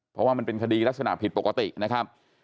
เพราะว่ามันเป็นคดีลักษณะผิดปกตินะครับ